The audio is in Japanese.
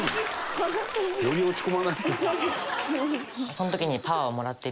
その時に。